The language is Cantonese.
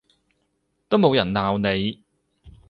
都冇人鬧你